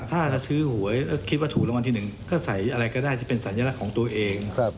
ถ้าซื้อหวยคิดว่าถูกรางวัลที่หนึ่งก็ใส่อะไรก็ได้ที่เป็นสัญลักษณ์ของตัวเอง